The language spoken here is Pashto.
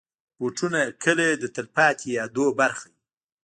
بوټونه کله د تلپاتې یادونو برخه وي.